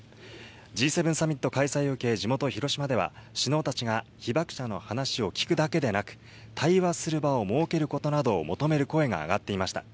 Ｇ７サミット開催を受け、地元・広島では首脳たちが被爆者の話を聞くだけでなく、対話する場を設けることなどを求める声が上がっていました。